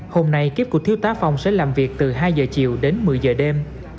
hôm nay kiếp của thiếu tá phong sẽ làm việc từ hai h chiều đến một mươi h đêm